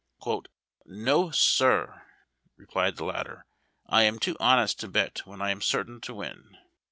"No, sir," replied the latter, "I am too honest to bet when I am certain to win.